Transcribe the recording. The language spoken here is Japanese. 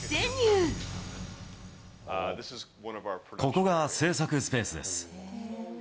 ここが製作スペースです。